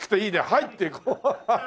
「はい」ってこう。